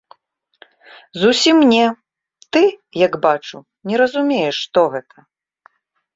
Зусім не, ты, як бачу, не разумееш, што гэта.